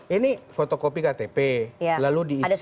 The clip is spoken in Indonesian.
ini fotokopi ktp lalu diisi